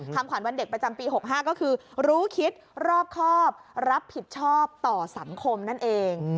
ขวัญวันเด็กประจำปี๖๕ก็คือรู้คิดรอบครอบรับผิดชอบต่อสังคมนั่นเอง